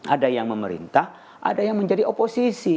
ada yang memerintah ada yang menjadi oposisi